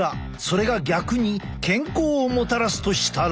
それが逆に健康をもたらすとしたら？